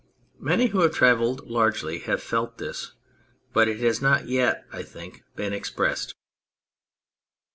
Many who have travelled largely have felt this, but it has not yet, I think, been expressed.